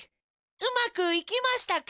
うまくいきましたか？